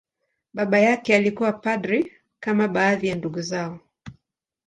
Baba yake alikuwa padri, kama baadhi ya ndugu zao.